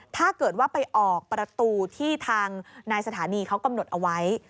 ถ้าเกิดว่าไปออกประตูที่ทางนายสถานีเขากำหนดเอาไว้